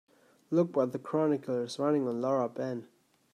Look what the Chronicle is running on Laura Ben.